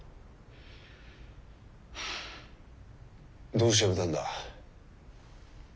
どうして辞めたんだ？